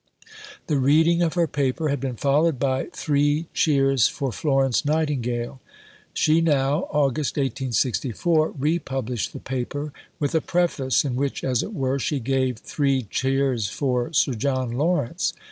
The reading of her paper had been followed by "Three Cheers for Florence Nightingale." She now (Aug. 1864) republished the Paper, with a Preface, in which, as it were, she gave "Three Cheers for Sir John Lawrence."